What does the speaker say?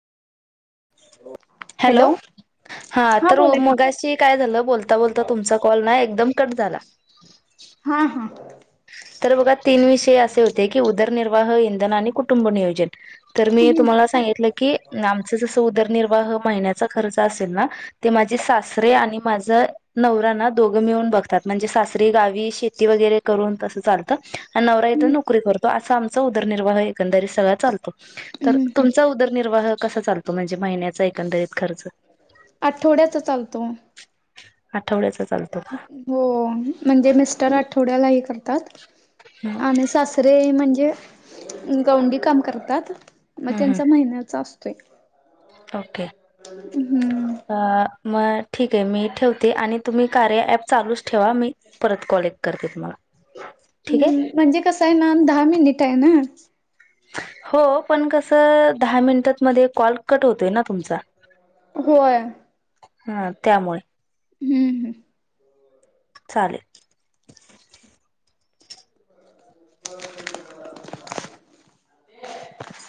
Hello हा तर बोला की मगाशी काय झालं बोलता बोलता तुमचा कॉल ना एकदम कट झाला. [unintelligible] हा हा तर बघा तीन विषय असे होते की उदरनिर्वाह इंधन आणि कुटुंब नियोजन तर मी तुम्हाला सांगितलं की आमचं जसं उदरनिर्वाह महिन्याचा खर्च असेल ना ते माझे सासरे आणि माझ नवरा ना दोघं मिळून बघतात. म्हणजे सासरी गावी शेती वगैरे करून तसं चालत. नवरा इथं नोकरी करतो. आमचा उदरनिर्वाह एकंदरी सगळ्यात चालतो तर तुमचा उदरनिर्वाह कस चालतो म्हणजे महिन्यात आठवड्याचा चालतो आठवड्याचा चाल हो म्हणजे मिस्टर आठवड्याला करतात का आणि सासरे म्हणजे जे गवंडी काम करतात मग हम्म त्यांचा महिन्याचा अस फेक ओके, अ म ठीक आहे मी ठेवते आणि तुम्ही कार्या ऍप चालूच ठेवा मी परत कॉलेक्ट करते तुम्हाला. ठीक आहे हम् म्हणजे कसं आहे ना दहा मिनिट आहे ना? हो पण कस दहा मिनिटातमध्ये कॉल कट होतोय ना तुमचा. होय. हा त्यामुळे. हम्म हम्. चालेल. हो [unintelligible]